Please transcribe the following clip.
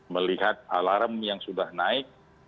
melihat alarm yang sudah naik